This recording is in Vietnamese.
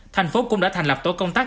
thành phố cũng đã thành lập tổ công tác